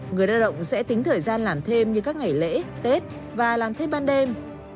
người lao động sẽ tính thời gian làm thêm như các ngày lễ tết và làm thêm ban đêm